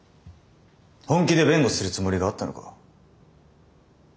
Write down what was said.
本気で弁護するつもりがあったのか？